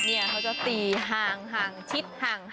เขาจะตีห่างชิด